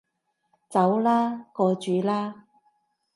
走啦，過主啦